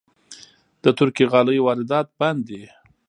د ترکي غالیو واردات بند دي؟